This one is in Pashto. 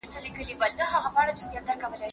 په ديني چارو کي د بيان ازادي نه وه.